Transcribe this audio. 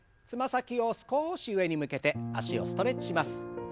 つま先を少し上に向けて脚をストレッチします。